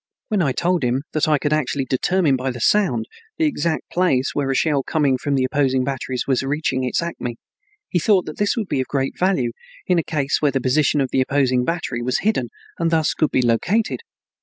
When I told him that I could actually determine by the sound the exact place where a shell coming from the opposing batteries was reaching its acme, he thought that this would be of great value in a case where the position of the opposing battery was hidden and thus could be located.